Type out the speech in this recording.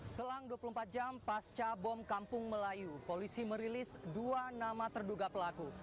selang dua puluh empat jam pasca bom kampung melayu polisi merilis dua nama terduga pelaku